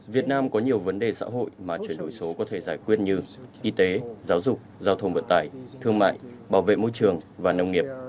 việt nam có nhiều vấn đề xã hội mà chuyển đổi số có thể giải quyết như y tế giáo dục giao thông vận tải thương mại bảo vệ môi trường và nông nghiệp